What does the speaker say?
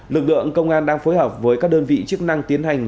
lực lượng công an đang phối hợp với các đơn vị chức năng tiến hành